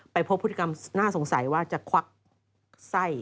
พบพฤติกรรมน่าสงสัยว่าจะควักไส้